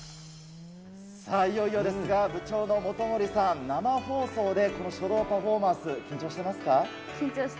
さあ、いよいよですが、部長の元森さん、この書道パフォーマンス、緊張してますか？